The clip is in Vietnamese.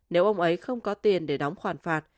nếu ông ấy không có tiền để đóng khoản phạt